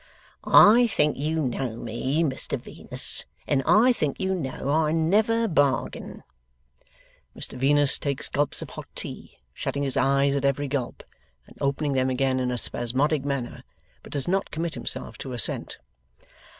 'I think you know me, Mr Venus, and I think you know I never bargain.' Mr Venus takes gulps of hot tea, shutting his eyes at every gulp, and opening them again in a spasmodic manner; but does not commit himself to assent.